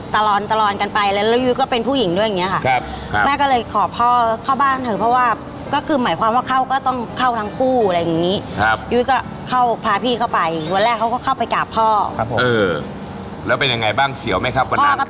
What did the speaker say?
ตะลอนกันไปแล้วยุ้ยก็เป็นผู้หญิงด้วยอย่างนี้ค่ะ